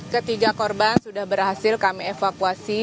ketiga korban sudah berhasil kami evakuasi